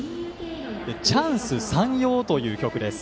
「チャンス山陽」という曲です。